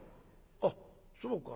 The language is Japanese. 「あっそうか。